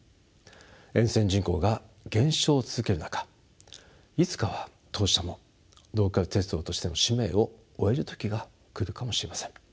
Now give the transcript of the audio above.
沿線人口が減少を続ける中いつかは当社もローカル鉄道としての使命を終える時が来るかもしれません。